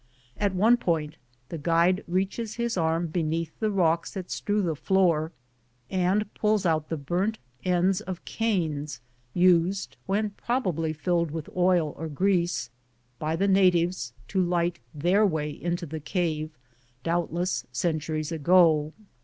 At one point the guide reaches his arm beneath the rocks that strew the floor and pulls out the burnt ends of canes used, when probably fdled with oil or grease, by the natives to light their way into the cave doubtless centuries ago.